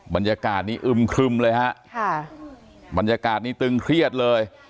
บรรยากาศนี้อึมครึมเลยฮะค่ะบรรยากาศนี้ตึงเครียดเลย